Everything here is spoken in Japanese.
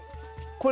これ。